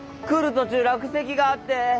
途中落石があって。